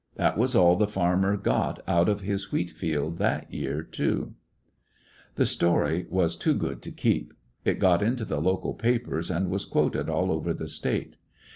That was all the farmer got out of his wheat field that year, too. Quotations on The story was too good to keep. It got '^"^"^ into the local papers, and was quoted all over the State.